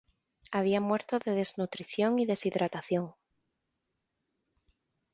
Había muerto de desnutrición y deshidratación.